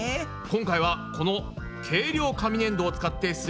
今回はこの軽量紙ねんどを使ってす